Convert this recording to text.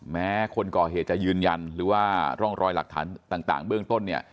แม้คนก่อเหตุจะยืนยันหรือว่าร่องรอยหลักฐานต่างเบื้องต้นเนี่ย